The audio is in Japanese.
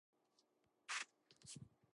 ラーメンを食べたい。